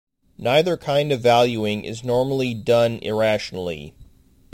Neither kind of valuing is normally done irrationally.